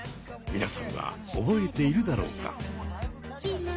みなさんは覚えているだろうか？